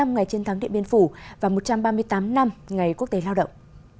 bảy mươi ngày chiến thắng điện biên phủ và một trăm ba mươi tám năm ngày quốc tế lao động